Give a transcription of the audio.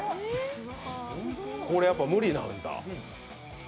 これ、やっぱ無理なんだ。